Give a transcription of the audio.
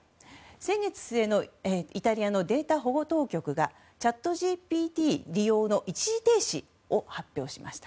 先月末のイタリアのデータ保護当局がチャットＧＰＴ利用の一時停止を発表しました。